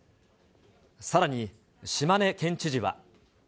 さらに、島根県知事は。